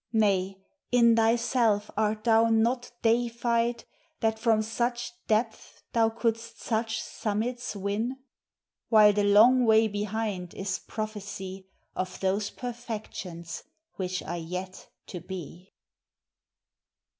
Nay, in thyself art thou not deified That from such depths thou couldst such summits win? While the long way behind is prophecy Of those perfections which are yet to be.